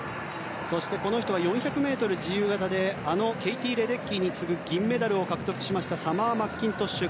そして４００ｍ自由形でケイティ・レデッキーに次ぐ銀メダルを獲得したサマー・マッキントッシュ。